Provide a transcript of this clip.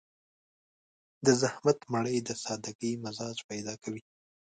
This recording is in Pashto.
د زحمت مړۍ د سادهګي مزاج پيدا کوي.